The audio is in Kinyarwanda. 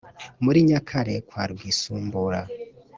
muri nyakare kwa rwisumbura